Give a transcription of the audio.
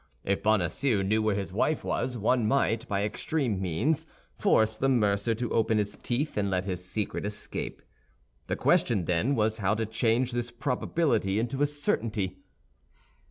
If Bonacieux knew where his wife was, one might, by extreme means, force the mercer to open his teeth and let his secret escape. The question, then, was how to change this probability into a certainty.